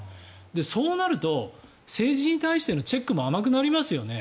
そうなると政治に対してのチェックも甘くなりますよね。